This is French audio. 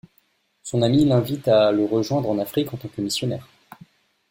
Son ami l'invite à le rejoindre en Afrique en tant que missionnaire.